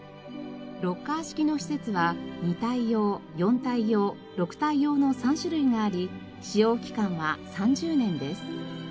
ロッカー式の施設は２体用４体用６体用の３種類があり使用期間は３０年です。